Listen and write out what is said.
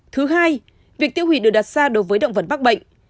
thứ hai việc tiêu hủy được đặt ra đối với động vật mắc bệnh